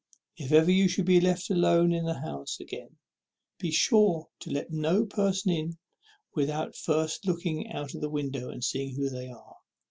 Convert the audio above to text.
If ever you should be left alone in the house again, be sure to let no persons in without first looking out at the window and seeing who they are.